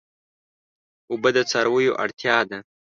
اوبه د څارویو اړتیا ده.